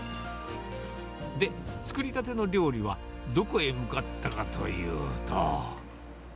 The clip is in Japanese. で、作りたての料理はどこへ向かったかというと。